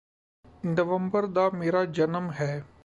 ਨਵੰਬਰ ਦਾ ਮੇਰਾ ਜਨਮ ਹੈ